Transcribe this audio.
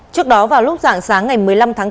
trước đó vào lúc ràng sáng ngày một mươi năm tháng tám